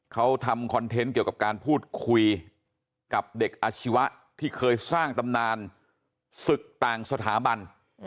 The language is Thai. เขาทำคอนเทนต์เกี่ยวกับการพูดคุยกับเด็กอาชีวะที่เคยสร้างตำนานศึกต่างสถาบัน